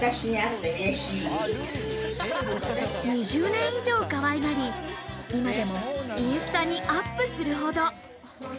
２０年以上、かわいがり、今でもインスタにアップするほど。